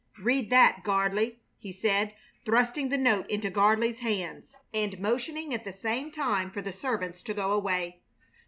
"Read that, Gardley," he said, thrusting the note into Gardley's hands and motioning at the same time for the servants to go away.